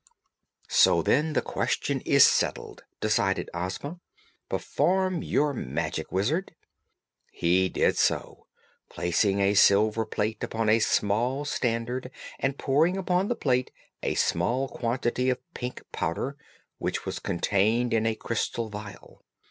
"So, then; the question is settled," decided Ozma. "Perform your magic, Wizard!" He did so, placing a silver plate upon a small standard and pouring upon the plate a small quantity of pink powder which was contained in a crystal vial.